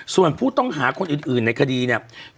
ส่วนผู้ต้องหาคนอื่นในคดีเนี่ย